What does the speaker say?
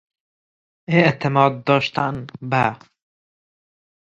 اعتماد داشتن به